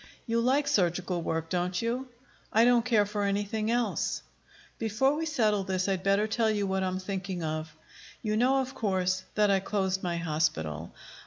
"You like surgical work, don't you?" "I don't care for anything else." "Before we settle this, I'd better tell you what I'm thinking of. You know, of course, that I closed my hospital.